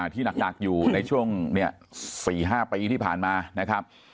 ที่หนักอยู่ในช่วง๔๕ปีที่ผ่านมานะครับ